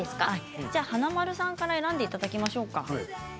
華丸さんから選んでいただきましょうか。